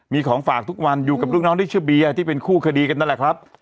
มีของฝากทุกวันอยู่กับลูกน้องที่ชื่อเบียร์ที่เป็นคู่คดีกันนั่นแหละครับ